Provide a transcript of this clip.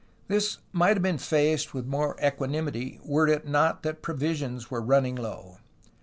This might have been faced with more equanimity were it not that provisions were running low.